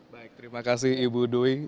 baik terima kasih ibu dwing